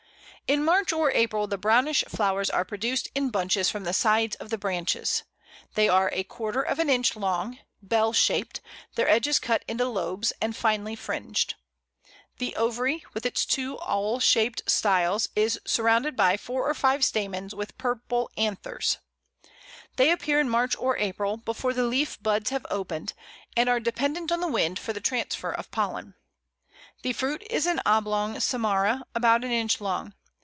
In March or April the brownish flowers are produced in bunches from the sides of the branches. They are a quarter of an inch long, bell shaped, their edges cut into lobes, and finely fringed. The ovary, with its two awl shaped styles, is surrounded by four or five stamens with purple anthers. They appear in March or April, before the leaf buds have opened, and are dependent on the wind for the transfer of pollen. The fruit is an oblong samara, about an inch long.